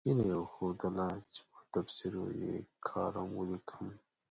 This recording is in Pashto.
هیله یې وښوده چې پر تبصرو یې کالم ولیکم.